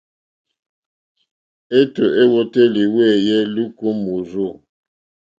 Êtó èwòtélì wéèyé lùúkà ó mòrzô.